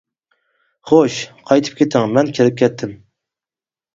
-خوش، قايتىپ كىتىڭ مەن كىرىپ كەتتىم.